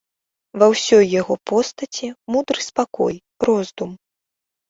Ва ўсёй яго постаці мудры спакой, роздум.